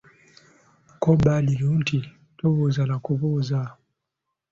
Ko Badru nti tobuuza na kubuuza